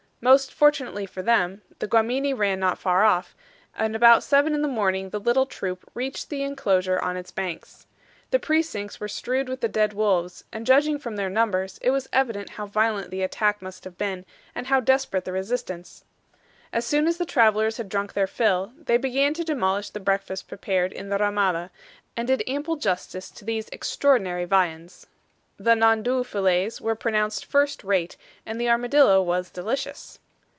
Most fortunately for them, the Guamini ran not far off, and about seven in the morning the little troop reached the inclosure on its banks. The precincts were strewed with the dead wolves, and judging from their numbers, it was evident how violent the attack must have been, and how desperate the resistance. As soon as the travelers had drunk their fill, they began to demolish the breakfast prepared in the RAMADA, and did ample justice to the extraordinary viands. The NANDOU fillets were pronounced first rate, and the armadillo was delicious.